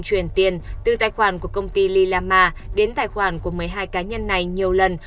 chuyển tiền từ tài khoản của công ty lillama đến tài khoản của một mươi hai cá nhân này nhiều lần